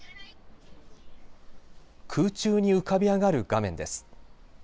空中に浮かび上がる画面です。